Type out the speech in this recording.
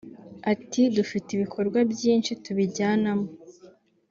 ati “Dufite ibikorwa byinshi tubijyanamo